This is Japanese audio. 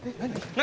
何？